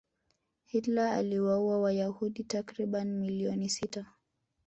hitler aliwaua wayahudi takribani milioni sita